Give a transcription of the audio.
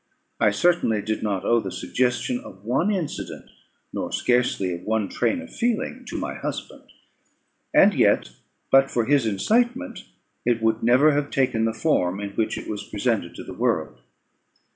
I certainly did not owe the suggestion of one incident, nor scarcely of one train of feeling, to my husband, and yet but for his incitement, it would never have taken the form in which it was presented to the world.